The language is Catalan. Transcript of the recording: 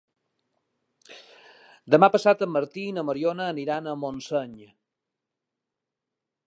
Demà passat en Martí i na Mariona aniran a Montseny.